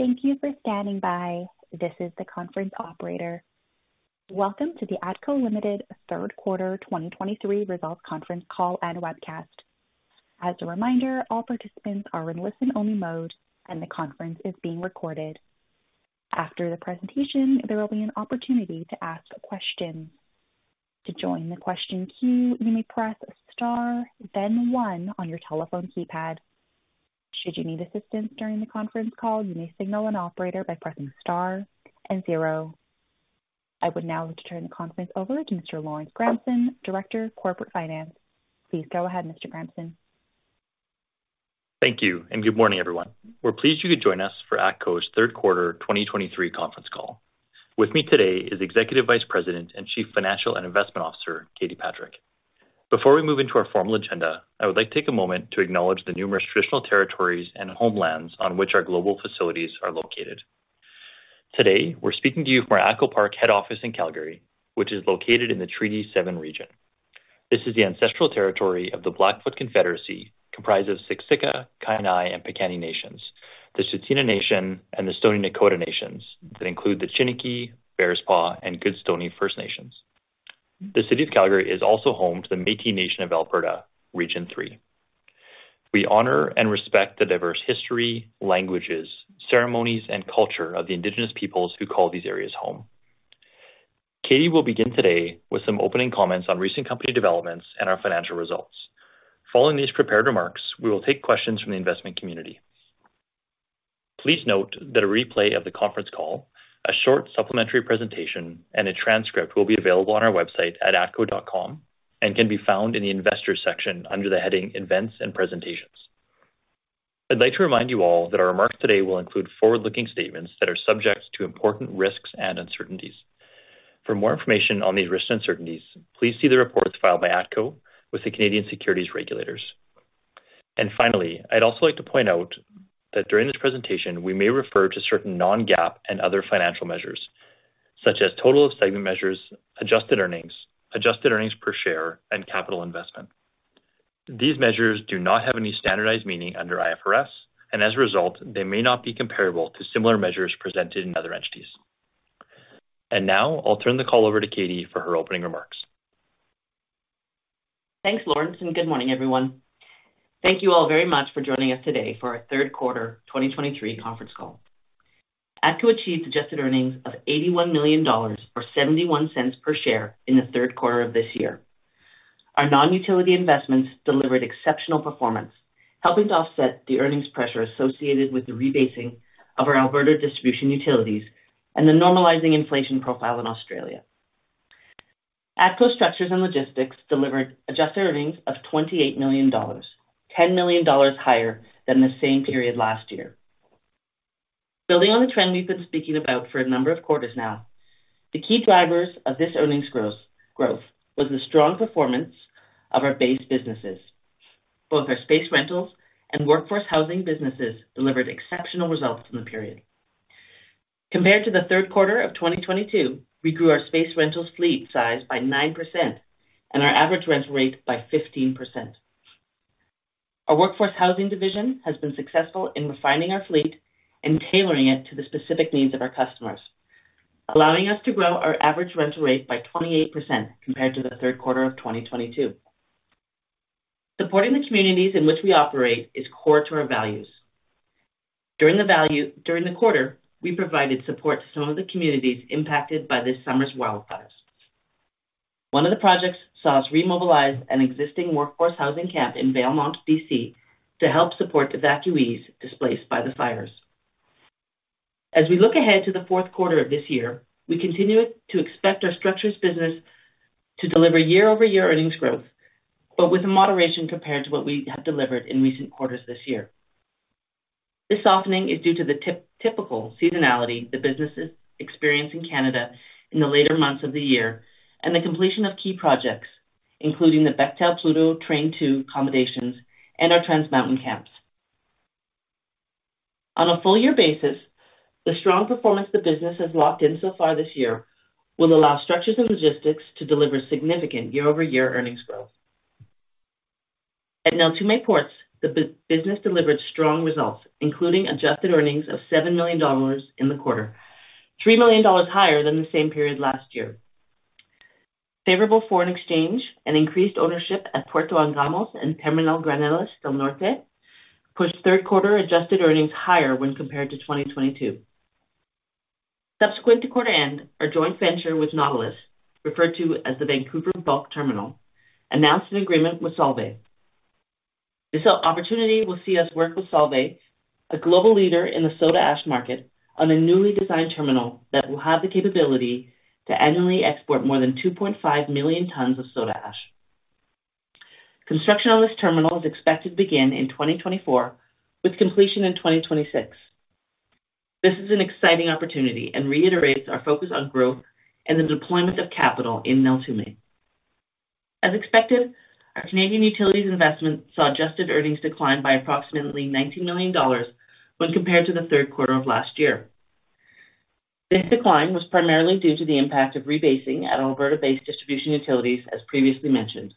Thank you for standing by. This is the conference operator. Welcome to the ATCO Limited third quarter 2023 results conference call and webcast. As a reminder, all participants are in listen-only mode, and the conference is being recorded. After the presentation, there will be an opportunity to ask questions. To join the question queue, you may press star, then one on your telephone keypad. Should you need assistance during the conference call, you may signal an operator by pressing star and zero. I would now like to turn the conference over to Mr. Lawrence Gramson, Director of Corporate Finance. Please go ahead, Mr. Gramson. Thank you, and good morning, everyone. We're pleased you could join us for ATCO's third quarter 2023 conference call. With me today is Executive Vice President and Chief Financial and Investment Officer, Katie Patrick. Before we move into our formal agenda, I would like to take a moment to acknowledge the numerous traditional territories and homelands on which our global facilities are located. Today, we're speaking to you from our ATCO Park head office in Calgary, which is located in the Treaty 7 region. This is the ancestral territory of the Blackfoot Confederacy, comprised of Siksika, Kainai, and Piikani nations, the Tsuut'ina Nation, and the Stoney Nakoda nations, that include the Chiniki, Bearspaw, and Goodstoney First Nations. The city of Calgary is also home to the Métis Nation of Alberta, Region 3. We honor and respect the diverse history, languages, ceremonies, and culture of the Indigenous peoples who call these areas home. Katie will begin today with some opening comments on recent company developments and our financial results. Following these prepared remarks, we will take questions from the investment community. Please note that a replay of the conference call, a short supplementary presentation, and a transcript will be available on our website at atco.com and can be found in the investors section under the heading Events and Presentations. I'd like to remind you all that our remarks today will include forward-looking statements that are subject to important risks and uncertainties. For more information on these risks and uncertainties, please see the reports filed by ATCO with the Canadian Securities Regulators. Finally, I'd also like to point out that during this presentation, we may refer to certain non-GAAP and other financial measures, such as total of segment measures, adjusted earnings, adjusted earnings per share, and capital investment. These measures do not have any standardized meaning under IFRS, and as a result, they may not be comparable to similar measures presented in other entities. Now I'll turn the call over to Katie for her opening remarks. Thanks, Lawrence, and good morning, everyone. Thank you all very much for joining us today for our third quarter 2023 conference call. ATCO achieved adjusted earnings of 81 million dollars or 0.71 per share in the third quarter of this year. Our non-utility investments delivered exceptional performance, helping to offset the earnings pressure associated with the rebasing of our Alberta distribution utilities and the normalizing inflation profile in Australia. ATCO Structures & Logistics delivered adjusted earnings of 28 million dollars, 10 million dollars higher than the same period last year. Building on the trend we've been speaking about for a number of quarters now, the key drivers of this earnings growth was the strong performance of our base businesses. Both our space rentals and workforce housing businesses delivered exceptional results in the period. Compared to the third quarter of 2022, we grew our space rental fleet size by 9% and our average rental rate by 15%. Our workforce housing division has been successful in refining our fleet and tailoring it to the specific needs of our customers, allowing us to grow our average rental rate by 28% compared to the third quarter of 2022. Supporting the communities in which we operate is core to our values. During the quarter, we provided support to some of the communities impacted by this summer's wildfires. One of the projects saw us remobilize an existing workforce housing camp in Valemount, B.C., to help support evacuees displaced by the fires. As we look ahead to the fourth quarter of this year, we continue to expect our structures business to deliver year-over-year earnings growth, but with a moderation compared to what we have delivered in recent quarters this year. This softening is due to the typical seasonality the businesses experience in Canada in the later months of the year, and the completion of key projects, including the Bechtel Pluto Train 2 accommodations and our Trans Mountain camps. On a full year basis, the strong performance the business has locked in so far this year will allow Structures & Logistics to deliver significant year-over-year earnings growth. At Neltume Ports, the business delivered strong results, including adjusted earnings of 7 million dollars in the quarter, 3 million dollars higher than the same period last year. Favorable foreign exchange and increased ownership at Puerto Angamos and Terminal Graneles del Norte pushed third quarter adjusted earnings higher when compared to 2022. Subsequent to quarter end, our joint venture with Nautilus, referred to as the Vancouver Bulk Terminal, announced an agreement with Solvay. This opportunity will see us work with Solvay, a global leader in the soda ash market, on a newly designed terminal that will have the capability to annually export more than 2.5 million tons of soda ash. Construction on this terminal is expected to begin in 2024, with completion in 2026. This is an exciting opportunity and reiterates our focus on growth and the deployment of capital in Neltume. As expected, our Canadian Utilities investment saw adjusted earnings decline by approximately 19 million dollars when compared to the third quarter of last year. This decline was primarily due to the impact of rebasing at Alberta-based distribution utilities, as previously mentioned.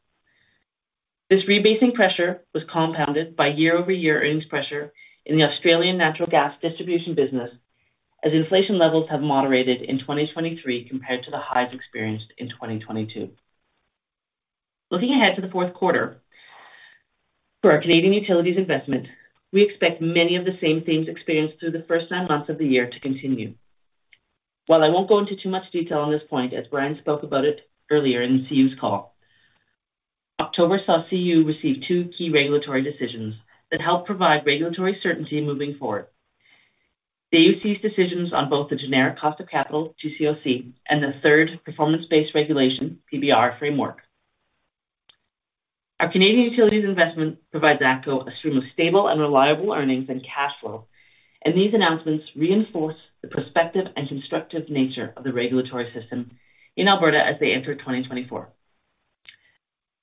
This rebasing pressure was compounded by year-over-year earnings pressure in the Australian natural gas distribution business, as inflation levels have moderated in 2023 compared to the highs experienced in 2022. Looking ahead to the fourth quarter, for our Canadian Utilities investment, we expect many of the same themes experienced through the first nine months of the year to continue. While I won't go into too much detail on this point, as Brian spoke about it earlier in the CU's call, October saw CU receive two key regulatory decisions that helped provide regulatory certainty moving forward. The AUC's decisions on both the Generic Cost of Capital, GCOC, and the third Performance-Based Regulation, PBR framework. Our Canadian Utilities investment provides ATCO a stream of stable and reliable earnings and cash flow, and these announcements reinforce the prospective and constructive nature of the regulatory system in Alberta as they enter 2024.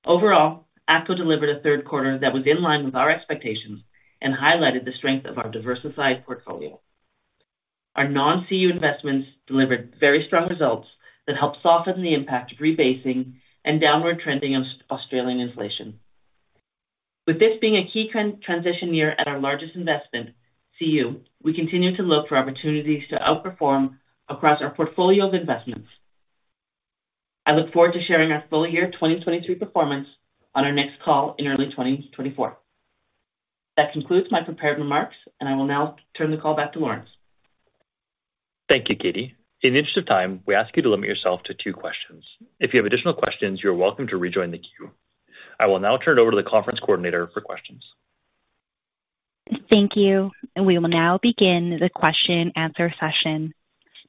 Overall, ATCO delivered a third quarter that was in line with our expectations and highlighted the strength of our diversified portfolio. Our non-CU investments delivered very strong results that helped soften the impact of rebasing and downward trending of Australian inflation. With this being a key transition year at our largest investment, CU, we continue to look for opportunities to outperform across our portfolio of investments. I look forward to sharing our full year 2023 performance on our next call in early 2024. That concludes my prepared remarks, and I will now turn the call back to Lawrence. Thank you, Katie. In the interest of time, we ask you to limit yourself to two questions. If you have additional questions, you are welcome to rejoin the queue. I will now turn it over to the conference coordinator for questions. Thank you. We will now begin the question and answer session.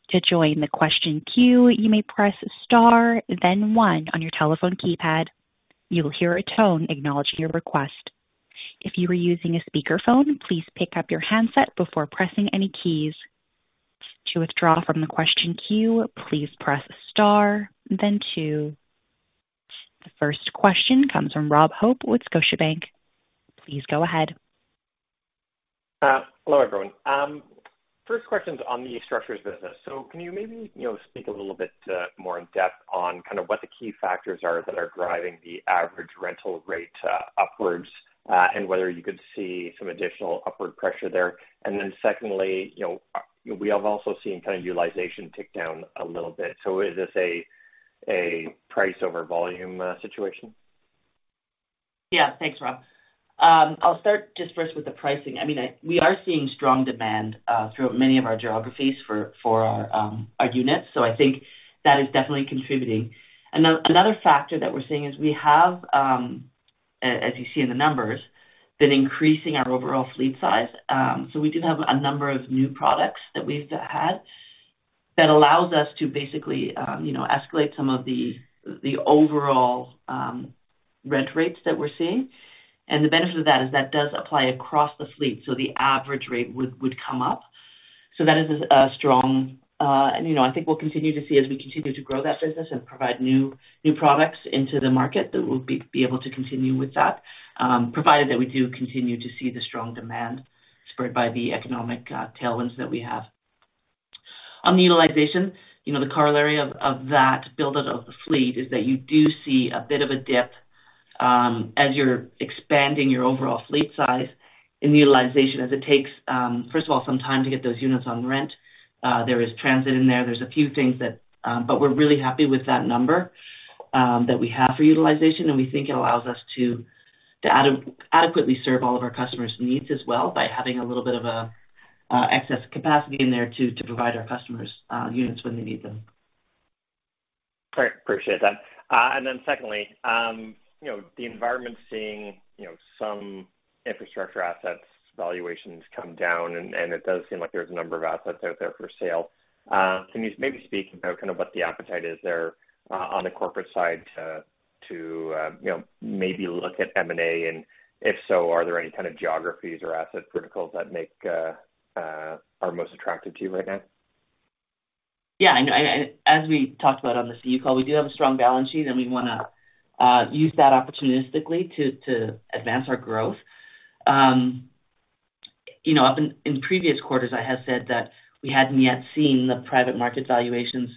To join the question queue, you may press star, then one on your telephone keypad. You will hear a tone acknowledging your request. If you are using a speakerphone, please pick up your handset before pressing any keys. To withdraw from the question queue, please press star, then two. The first question comes from Rob Hope with Scotiabank. Please go ahead. Hello, everyone. First question is on the structures business. So can you maybe, you know, speak a little bit, more in depth on kind of what the key factors are that are driving the average rental rate, upwards, and whether you could see some additional upward pressure there? And then secondly, you know, we have also seen kind of utilization tick down a little bit. So is this a price over volume situation? Yeah. Thanks, Rob. I'll start just first with the pricing. I mean, we are seeing strong demand throughout many of our geographies for our units, so I think that is definitely contributing. Another factor that we're seeing is we have, as you see in the numbers, been increasing our overall fleet size. We do have a number of new products that we've had that allows us to basically, you know, escalate some of the overall rent rates that we're seeing. The benefit of that is that does apply across the fleet, so the average rate would come up. That is a strong, you know, I think we'll continue to see as we continue to grow that business and provide new, new products into the market, that we'll be able to continue with that, provided that we do continue to see the strong demand spurred by the economic tailwinds that we have. On the utilization, you know, the corollary of that build-out of the fleet is that you do see a bit of a dip, as you're expanding your overall fleet size in utilization, as it takes, first of all, some time to get those units on rent. There is transit in there. There's a few things that, We're really happy with that number that we have for utilization, and we think it allows us to adequately serve all of our customers' needs as well by having a little bit of excess capacity in there to provide our customers units when they need them. Great. Appreciate that. You know, the environment's seeing, you know, some infrastructure assets valuations come down, and it does seem like there's a number of assets out there for sale. Can you maybe speak about kind of what the appetite is there on the corporate side to, you know, maybe look at M&A? If so, are there any kind of geographies or asset verticals that make, you know, are most attractive to you right now? Yeah, as we talked about on the CU call, we do have a strong balance sheet, and we wanna use that opportunistically to advance our growth. You know, in previous quarters, I had said that we hadn't yet seen the private market valuations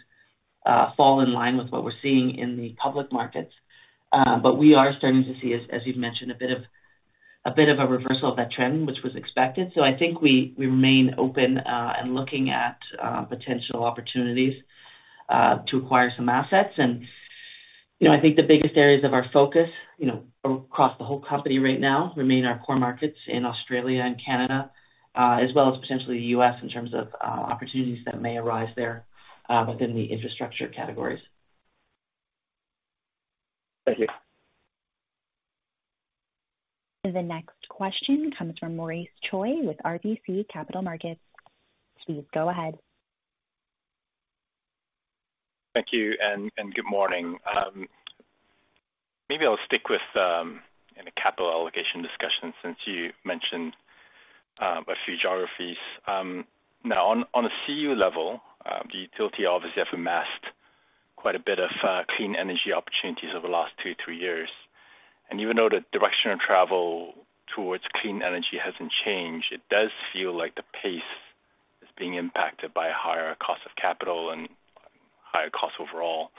fall in line with what we're seeing in the public markets. We are starting to see, as you've mentioned, a bit of a reversal of that trend, which was expected. I think we remain open and looking at potential opportunities to acquire some assets. You know, I think the biggest areas of our focus, you know, across the whole company right now, remain our core markets in Australia and Canada, as well as potentially the U.S., in terms of opportunities that may arise there, within the infrastructure categories. Thank you. The next question comes from Maurice Choy with RBC Capital Markets. Please go ahead. Thank you, and good morning. Maybe I'll stick with in the capital allocation discussion, since you mentioned a few geographies. Now, on a CU level, the utility obviously have amassed quite a bit of clean energy opportunities over the last two, three years. And even though the direction of travel towards clean energy hasn't changed, it does feel like the pace is being impacted by higher cost of capital and higher costs overall.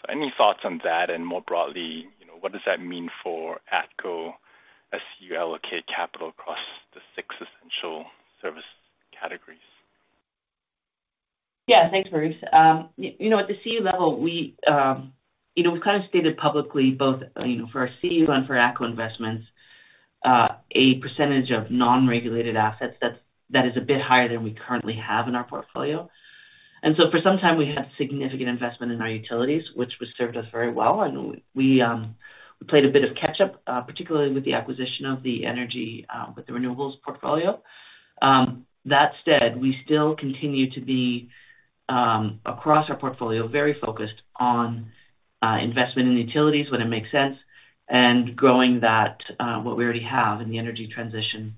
So any thoughts on that? And more broadly, you know, what does that mean for ATCO as you allocate capital across the six essential service categories? Yeah, thanks, Maurice. You know, at the CU level, we, you know, we've kind of stated publicly, both, you know, for our CU level and for ATCO investments, a percentage of non-regulated assets that is a bit higher than we currently have in our portfolio. And so for some time, we had significant investment in our utilities, which has served us very well, and we played a bit of catch up, particularly with the acquisition of the energy with the renewables portfolio. That said, we still continue to be across our portfolio very focused on investment in utilities when it makes sense, and growing that what we already have in the energy transition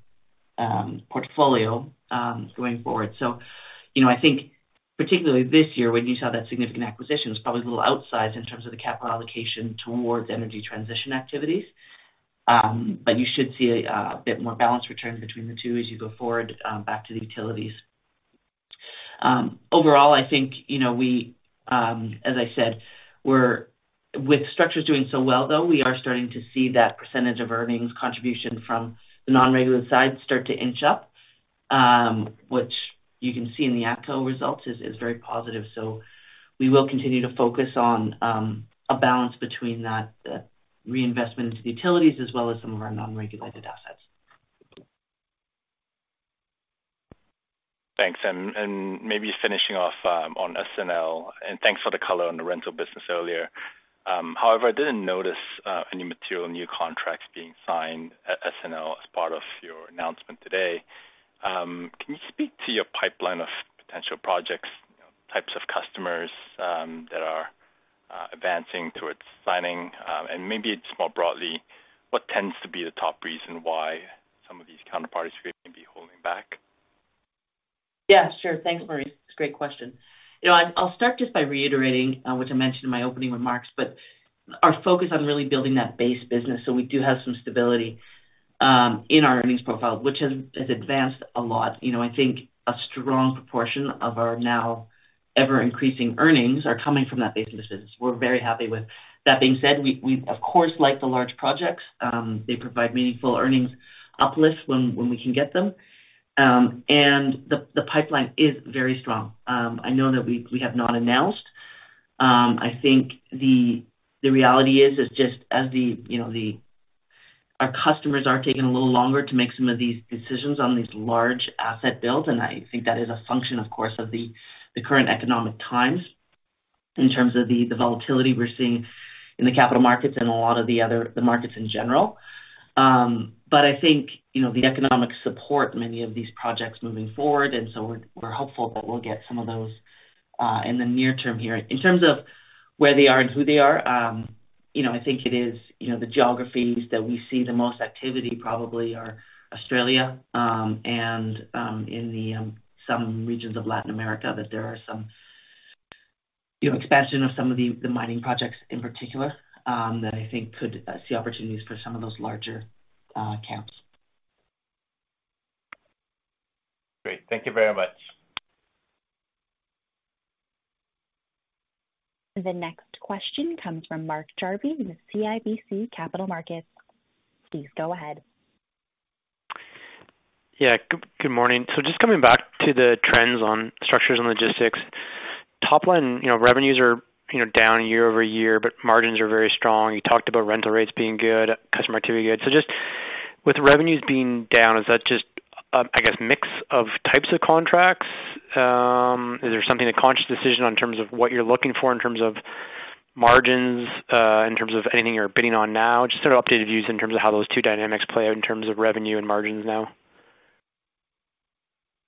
portfolio going forward. You know, I think particularly this year, when you saw that significant acquisition, it was probably a little outsized in terms of the capital allocation towards energy transition activities. You should see a bit more balanced return between the two as you go forward, back to the utilities. Overall, I think, you know, we, as I said, we're—with structures doing so well, though, we are starting to see that percentage of earnings contribution from the non-regulated side start to inch up, which you can see in the ATCO results is very positive. We will continue to focus on a balance between that reinvestment into the utilities as well as some of our non-regulated assets. Thanks. And maybe finishing off on SNL, and thanks for the color on the rental business earlier. However, I didn't notice any material new contracts being signed at SNL as part of your announcement today. Can you speak to your pipeline of potential projects, types of customers that are advancing towards signing? And maybe just more broadly, what tends to be the top reason why some of these counterparties may be holding back? Yeah, sure. Thanks, Maurice. Great question. You know, I'll start just by reiterating which I mentioned in my opening remarks, but our focus on really building that base business. So we do have some stability in our earnings profile, which has advanced a lot. You know, I think a strong proportion of our now ever-increasing earnings are coming from that base business. We're very happy with—that being said, we of course like the large projects. They provide meaningful earnings uplifts when we can get them. And the pipeline is very strong. I know that we have not announced. I think the reality is just as the, you know, the... Our customers are taking a little longer to make some of these decisions on these large asset builds, and I think that is a function, of course, of the current economic times, in terms of the volatility we're seeing in the capital markets and a lot of the other markets in general. I think, you know, the economic support, many of these projects moving forward, and so we're hopeful that we'll get some of those in the near term here. In terms of where they are and who they are, you know, I think it is, you know, the geographies that we see the most activity probably are Australia, and, in the, some regions of Latin America, that there are some, you know, expansion of some of the, the mining projects in particular, that I think could, see opportunities for some of those larger, accounts. Great. Thank you very much. The next question comes from Mark Jarvi with CIBC Capital Markets. Please go ahead. Yeah, good morning. So just coming back to the trends on Structures & Logistics. Top line, you know, revenues are, you know, down year-over-year, but margins are very strong. You talked about rental rates being good, customer activity good. So just with revenues being down, is that just, I guess, mix of types of contracts? Is there something, a conscious decision in terms of what you're looking for, in terms of margins, in terms of anything you're bidding on now? Just sort of updated views in terms of how those two dynamics play out in terms of revenue and margins now.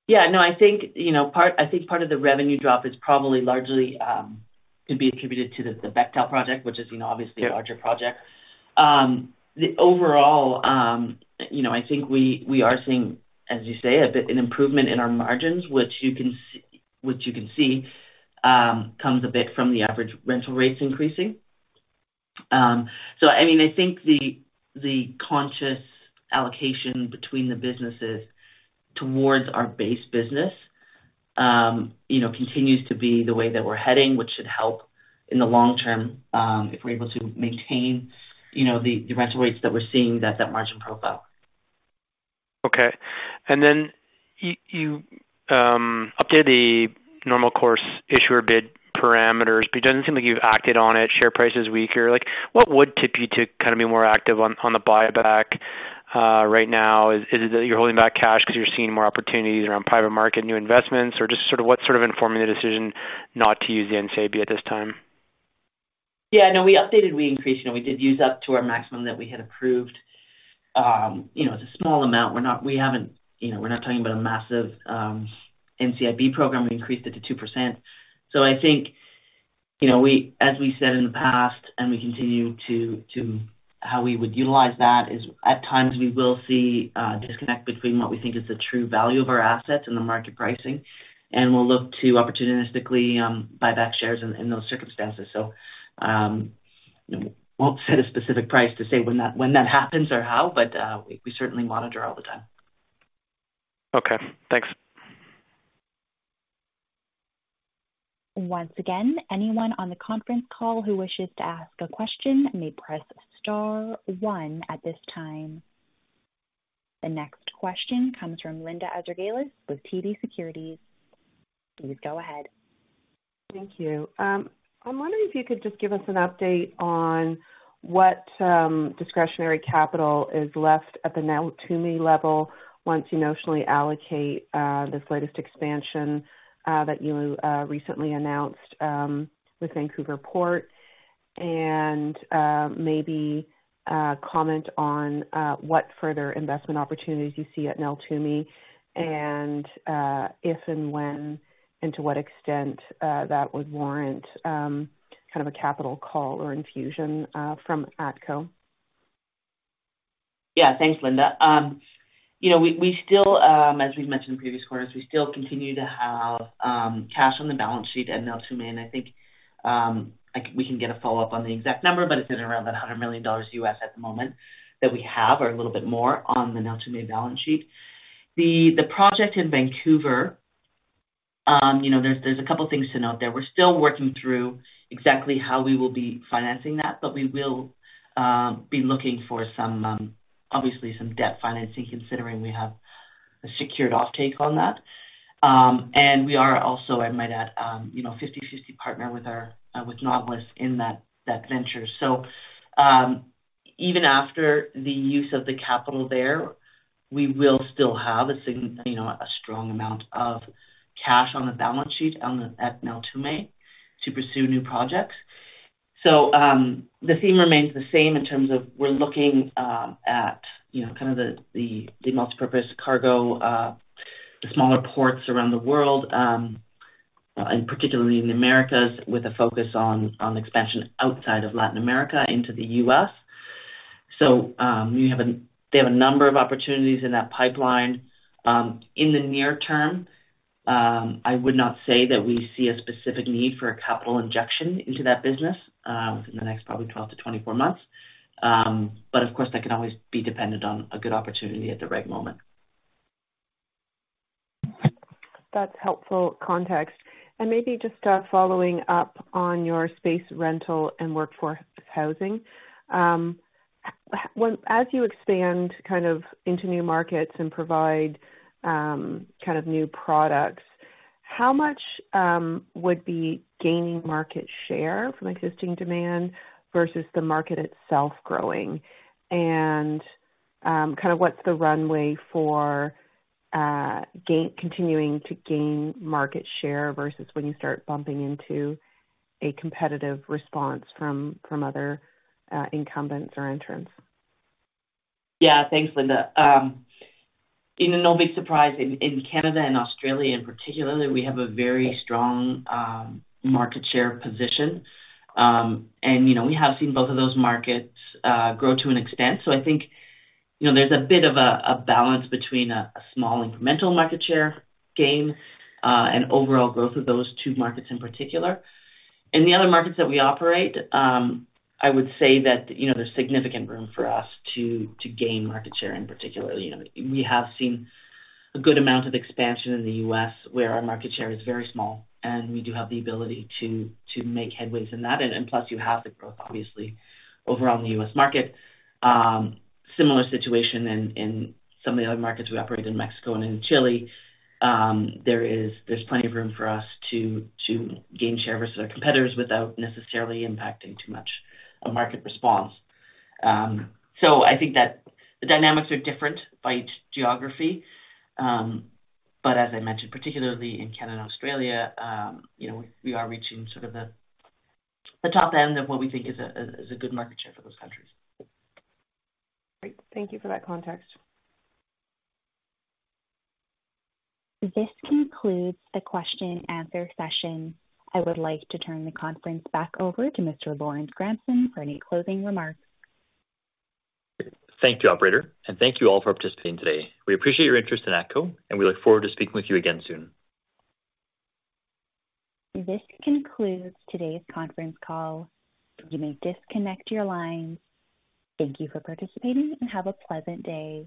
Yeah. No, I think, you know, part of the revenue drop is probably largely could be attributed to the Bechtel project, which is, you know, obviously a larger project. The overall, you know, I think we are seeing, as you say, a bit, an improvement in our margins, which you can see comes a bit from the average rental rates increasing. So I mean, I think the conscious allocation between the businesses towards our base business, you know, continues to be the way that we're heading, which should help in the long term, if we're able to maintain, you know, the rental rates that we're seeing, that margin profile. Okay. And then you updated the Normal Course Issuer Bid parameters, but it doesn't seem like you've acted on it. Share price is weaker. Like, what would tip you to kind of be more active on the buyback right now? Is it that you're holding back cash because you're seeing more opportunities around private market, new investments, or just sort of what's sort of informing the decision not to use the NCIB at this time? Yeah. No, we updated, we increased, you know, we did use up to our maximum that we had approved. You know, it's a small amount. We're not—we haven't, you know, we're not talking about a massive NCIB program. We increased it to 2%. So I think, you know, we—as we said in the past, and we continue to how we would utilize that is, at times, we will see a disconnect between what we think is the true value of our assets and the market pricing, and we'll look to opportunistically buy back shares in those circumstances. So, won't set a specific price to say when that happens or how, but we certainly monitor all the time. Okay, thanks. Once again, anyone on the conference call who wishes to ask a question may press star one at this time. The next question comes from Linda Ezergailis with TD Securities. Please go ahead. Thank you. I'm wondering if you could just give us an update on what, discretionary capital is left at the Neltume level once you notionally allocate, this latest expansion, that you, recently announced, with Vancouver Port. And, maybe, comment on, what further investment opportunities you see at Neltume and, if and when and to what extent, that would warrant, kind of a capital call or infusion, from ATCO? Yeah. Thanks, Linda. You know, we still, as we've mentioned in previous quarters, we still continue to have cash on the balance sheet at Neltume, and I think, I, we can get a follow-up on the exact number, but it's in around that $100 million at the moment, that we have or a little bit more on the Neltume balance sheet. The project in Vancouver, you know, there's a couple things to note there. We're still working through exactly how we will be financing that, but we will be looking for some, obviously some debt financing, considering we have a secured offtake on that. And we are also, I might add, you know, 50/50 partner with our, with Nautilus in that venture. Even after the use of the capital there, we will still have a strong amount of cash on the balance sheet at Neltume to pursue new projects. The theme remains the same in terms of we're looking, you know, at, you know, kind of the multipurpose cargo, the smaller ports around the world, and particularly in the Americas, with a focus on expansion outside of Latin America into the U.S. We have a—they have a number of opportunities in that pipeline. In the near term, I would not say that we see a specific need for a capital injection into that business within the next probably 12-24 months. Of course, that could always be dependent on a good opportunity at the right moment. That's helpful context. Maybe just following up on your space rental and workforce housing. As you expand kind of into new markets and provide kind of new products, how much would be gaining market share from existing demand versus the market itself growing? And kind of what's the runway for gaining continuing to gain market share versus when you start bumping into a competitive response from other incumbents or entrants? Yeah. Thanks, Linda. No big surprise in Canada and Australia in particular, we have a very strong market share position. You know, we have seen both of those markets grow to an extent. So I think, you know, there's a bit of a small incremental market share gain and overall growth of those two markets in particular. In the other markets that we operate, I would say that, you know, there's significant room for us to gain market share in particular. You know, we have seen a good amount of expansion in the U.S., where our market share is very small, and we do have the ability to make headwinds in that. And plus, you have the growth, obviously, overall in the U.S. market. Similar situation in some of the other markets we operate in Mexico and in Chile. There's plenty of room for us to gain share versus our competitors without necessarily impacting too much a market response. So I think that the dynamics are different by each geography. But as I mentioned, particularly in Canada and Australia, you know, we are reaching sort of the top end of what we think is a good market share for those countries. Great. Thank you for that context. This concludes the question and answer session. I would like to turn the conference back over to Mr. Lawrence Gramson for any closing remarks. Thank you, operator, and thank you all for participating today. We appreciate your interest in ATCO, and we look forward to speaking with you again soon. This concludes today's conference call. You may disconnect your lines. Thank you for participating, and have a pleasant day.